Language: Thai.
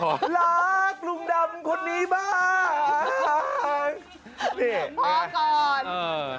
รักลุงดำคนนี้บ้าง